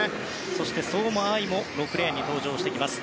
そして相馬あいも６レーンに登場してきます。